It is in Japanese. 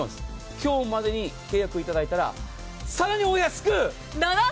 今日までに契約いただいたら更にお安く！